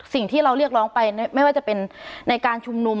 สิ่งที่เราเรียกร้องไปไม่ว่าจะเป็นในการชุมนุม